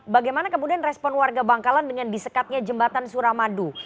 bagaimana kemudian respon warga bangkalan dengan disekatnya jembatan suramadu